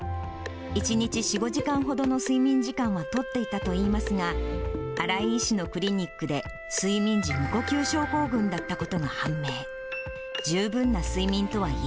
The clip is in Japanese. １日４、５時間ほどの睡眠時間は取っていたといいますが、新井医師のクリニックで、睡眠時無呼吸症候群だったことが判明。